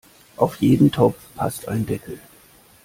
Auf jeden Topf passt ein Deckel.